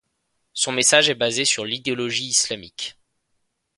Son message est basé sur l'idéologie islamique.